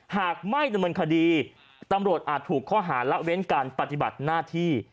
หากไม่ดำเนินคดีตำรวจอาจถูกข้อหาละเว้นการปฏิบัติหน้าที่